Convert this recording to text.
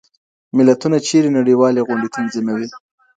ملتونه چیري نړیوالي غونډي تنظیموي؟